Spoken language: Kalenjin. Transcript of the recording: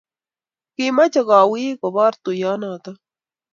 kimache kowiy koboor tuiyet noto